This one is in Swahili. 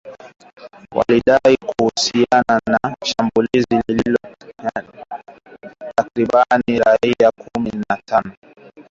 Walidai kuhusika na shambulizi lililoua takribani raia kumi na tano